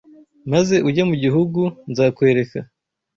maze ujye mu gihugu nzakwereka